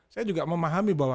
saya juga memahami bahwa